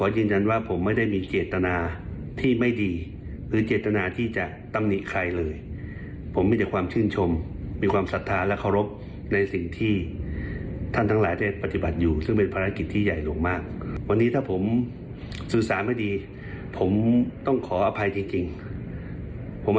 ช่วงนี้เพราะว่าความกดดันก็เยอะนะครับ